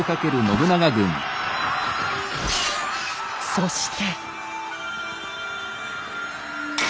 そして。